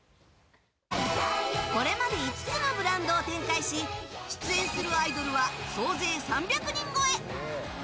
これまで５つのブランドを展開し出演するアイドルは総勢３００人超え！